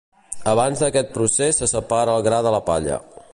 Abans d'aquest procés se separa el gra de la palla.